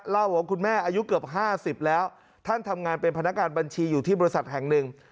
เล่าว่าคุณแม่อายุเกือบ๕๐แล้วท่านทำงานเป็นพนักงานบัญชีอยู่ที่บริษัทแห่งหนึ่ง